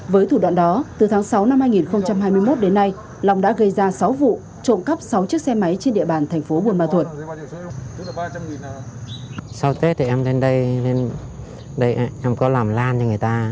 với thủ đoạn đó từ tháng sáu năm hai nghìn hai mươi một đến nay long đã gây ra sáu vụ trộm cắp sáu chiếc xe máy trên địa bàn thành phố buôn ma thuột